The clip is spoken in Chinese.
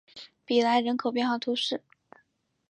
比莱人口变化图示